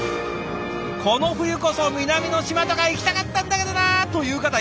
この冬こそ南の島とか行きたかったんだけどなという方いらっしゃいますよね？